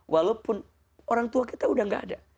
walaupun orang tua kita sudah tidak ada